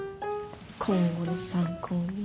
今後の参考に。